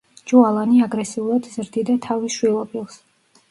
ჯო ალანი აგრესიულად ზრდიდა თავის შვილობილს.